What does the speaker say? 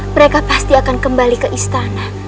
mereka pasti akan kembali ke istana